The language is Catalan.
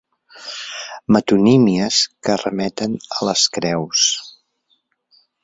Metonímies que remeten a les creus.